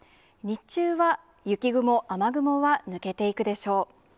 日中は雪雲、雨雲は抜けていくでしょう。